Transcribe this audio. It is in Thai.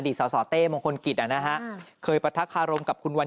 สสเต้มงคลกิจนะฮะเคยประทักคารมกับคุณวัน